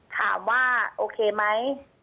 ถามว่าโอเคไหม